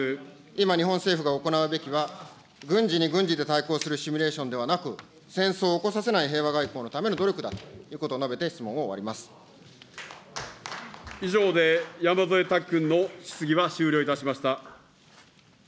今、日本政府が行うべきは、軍事に軍事で対抗するシミュレーションではなく、戦争を起こさせない平和外交のための努力だということを述べて質以上で山添拓君の質疑は終了